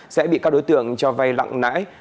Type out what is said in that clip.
sẽ bị các đối tượng cho vai lặng nãi